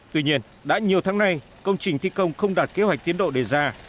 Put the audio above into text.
tuy nhiên đã nhiều tháng nay công trình thi công không đạt kế hoạch tiến độ đề ra